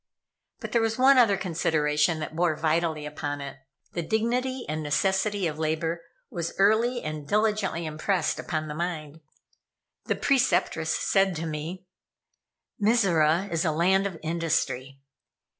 But there was one other consideration that bore vitally upon it. The dignity and necessity of labor was early and diligently impressed upon the mind. The Preceptress said to me: "Mizora is a land of industry.